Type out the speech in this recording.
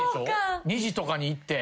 ２時とかに行って。